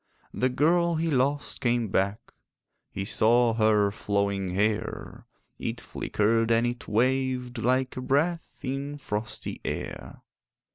The girl he lost came back: He saw her flowing hair; It flickered and it waved Like a breath in frosty air.